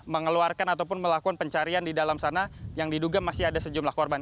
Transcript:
mengeluarkan ataupun melakukan pencarian di dalam sana yang diduga masih ada sejumlah korban